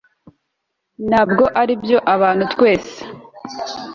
ntabwo aribyo..abantu twese.